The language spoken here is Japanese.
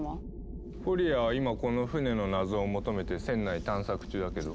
フォリアは今この船の謎を求めて船内探索中だけど。